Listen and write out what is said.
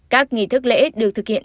các nghị thức lễ được thực hiện